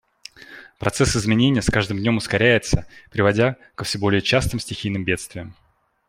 Процесс изменения с каждым днем ускоряется, приводя ко все более частым стихийным бедствиям.